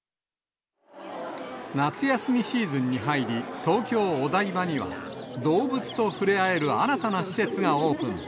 夏休みシーズンに入り、東京・お台場には、動物と触れ合える新たな施設がオープン。